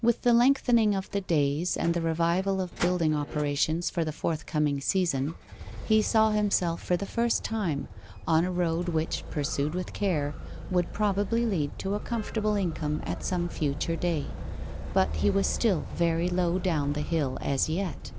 With the lengthening of the days, and the revival of building operations for the forthcoming season, he saw himself, for the first time, on a road which, pursued with care, would probably lead to a comfortable income at some future day. But he was still very low down the hill as yet.